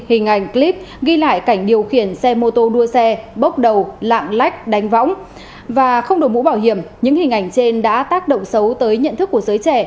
hình ảnh clip ghi lại cảnh điều khiển xe mô tô đua xe bốc đầu lạng lách đánh võng và không đổi mũ bảo hiểm những hình ảnh trên đã tác động xấu tới nhận thức của giới trẻ